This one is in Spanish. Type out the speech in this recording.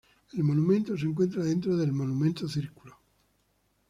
El monumento se encuentra dentro del "Monumento Círculo".